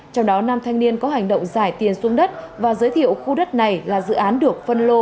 trong đó nam thanh niên có hành động giải tiền xuống đất và giới thiệu khu đất này là dự án được phân lô